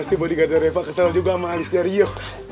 pasti bodyguardnya repa kesel juga sama alisnya rio